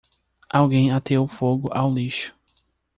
Alguém ateou fogo ao lixo.